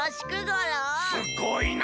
すごいな！